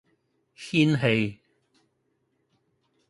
仙氣